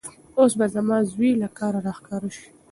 اوس به زما زوی له کاره راښکاره شي.